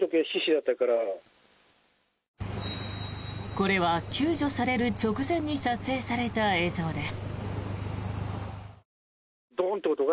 これは救助される直前に撮影された映像です。